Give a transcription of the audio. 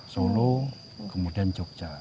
solo kemudian jogja